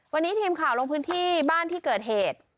วันนี้ทีมข่าวลงพื้นที่บ้านที่เกิดเหตุ